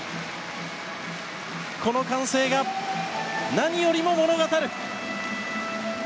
この歓声が何よりも物語る。